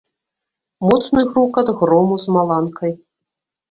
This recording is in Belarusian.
Моцны грукат грому з маланкай.